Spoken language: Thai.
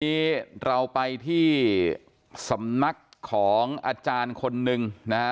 วันนี้เราไปที่สำนักของอาจารย์คนหนึ่งนะฮะ